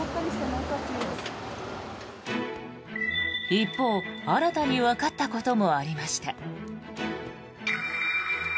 一方、新たにわかったこともありました。